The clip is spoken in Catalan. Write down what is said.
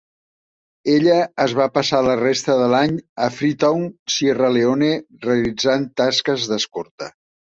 Ella es va passar la resta de l'any a Freetown, Sierra Leone, realitzant tasques d'escorta.